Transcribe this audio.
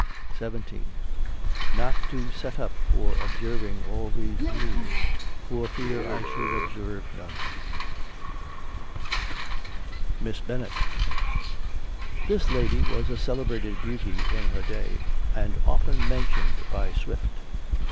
17. Not to set up for observing all these rules, for fear I should observe none. MISS BENNET. This lady was a celebrated beauty in her day, and often mentioned by Swift.